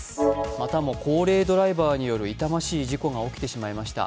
またも高齢ドライバーによる痛ましい事故が起きてしまいました。